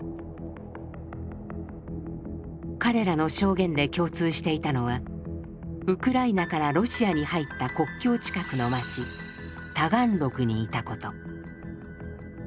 彼らの証言で共通していたのはウクライナからロシアに入った国境近くの町タガンログにいたこと。